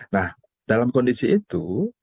nah dalam kondisi itu